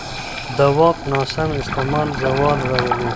د واک ناسم استعمال زوال راولي